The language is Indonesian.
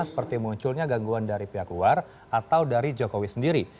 seperti munculnya gangguan dari pihak luar atau dari jokowi sendiri